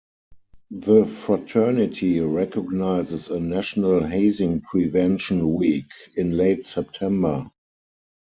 The fraternity recognizes a National Hazing Prevention Week in late September.